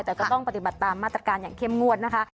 แต่ก็ต้องปฏิบัติตามมาตรการอย่างเข้มงวดนะคะ